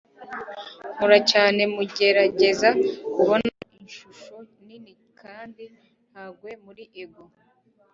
Nkora cyane mugerageza kubona ishusho nini kandi ntagwe muri ego.